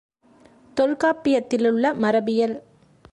தொல்காப்பியத்திலுள்ள மரபியல்